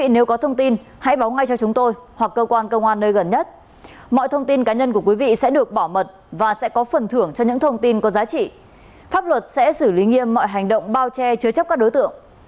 nếu có thông tin hãy báo ngay cho chúng tôi hoặc cơ quan công an nơi gần nhất mọi thông tin cá nhân của quý vị sẽ được bảo mật và sẽ có phần thưởng cho những thông tin có giá trị pháp luật sẽ xử lý nghiêm mọi hành động bao che chứa chấp các đối tượng